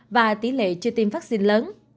và tỷ lệ chưa tiêm vaccine lớn